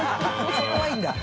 そこはいいんだ。